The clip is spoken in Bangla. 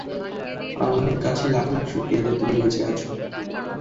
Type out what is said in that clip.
আল্লাহ কাছে লাখ লাখ শুকরিয়া, যে তুমি বেঁচে আছো।